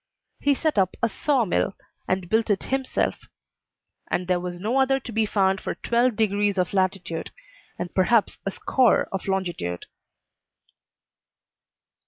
He set up a saw mill, and built it himself; and there was no other to be found for twelve degrees of latitude and perhaps a score of longitude.